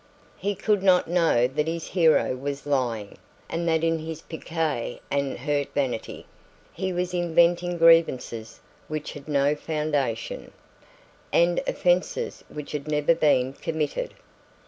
He could not know that his hero was lying, and that in his piqué and hurt vanity he was inventing grievances which had no foundation, and offences which had never been committed.